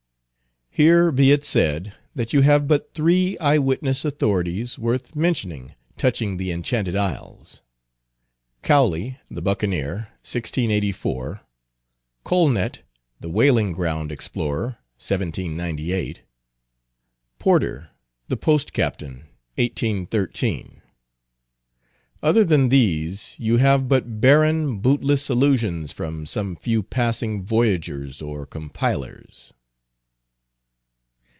Here be it said that you have but three, eye witness authorities worth mentioning touching the Enchanted Isles:—Cowley, the Buccaneer (1684); Colnet the whaling ground explorer (1798); Porter, the post captain (1813). Other than these you have but barren, bootless allusions from some few passing voyagers or compilers.